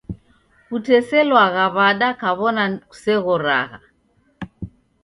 Kuteselwagha w'ada kaw'ona kuseghoragha?